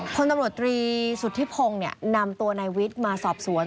พลตำรวจตรีสุธิพงศ์นำตัวนายวิทย์มาสอบสวน